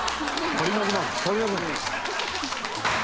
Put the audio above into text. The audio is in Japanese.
足りなくなる。